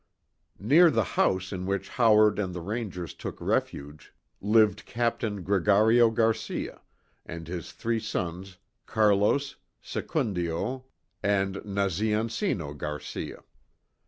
Near the house in which Howard and the Rangers took refuge, lived Captain Gregario Garcia, and his three sons, Carlos, Secundio, and Nazean ceno Garcia.